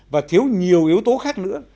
và thiếu nhiều yếu tố khác nữa